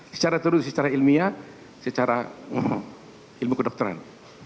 secara teori secara ilmiah secara ilmu kedokteran